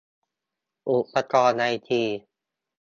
อุปกรณ์ไอที